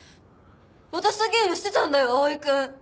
私とゲームしてたんだよ蒼くん！